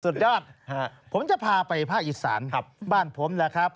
สุดยอดผมจะพาไปภาคอีสานครับบ้านผมแหละครับ